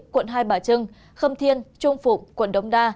quận hai bà trưng khâm thiên trung phụng